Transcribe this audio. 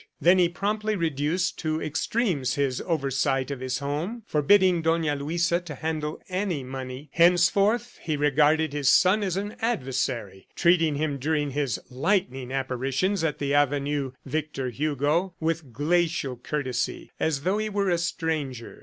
Then he promptly reduced to extremes his oversight of his home, forbidding Dona Luisa to handle any money. Henceforth he regarded his son as an adversary, treating him during his lightning apparitions at the avenue Victor Hugo with glacial courtesy as though he were a stranger.